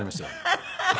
ハハハハ！